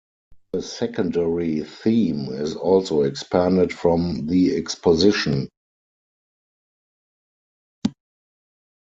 The secondary theme is also expanded from the exposition.